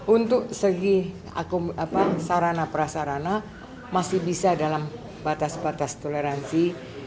untuk segi sarana prasarana masih bisa dalam batas batas toleransi